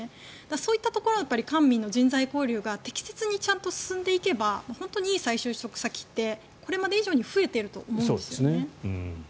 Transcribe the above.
そういったところを官民の人材交流が適切に進んでいけば本当にいい再就職先ってこれまで以上に増えていると思うんですよね。